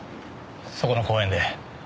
そこの公園で。